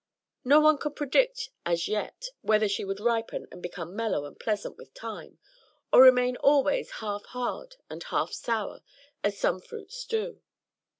No one could predict as yet whether she would ripen and become mellow and pleasant with time, or remain always half hard and half sour, as some fruits do.